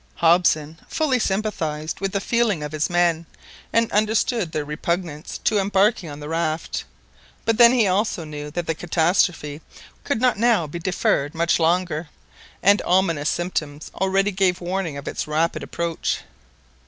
Hobson fully sympathised with the feelings of his men, and understood their repugnance to embarking on the raft; but then he also knew that the catastrophe could not now be deferred much longer, and ominous symptoms already gave warning of its rapid approach.